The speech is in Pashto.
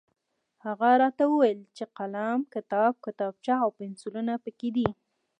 هغه راته وویل چې قلم، کتاب، کتابچه او پنسلونه پکې دي.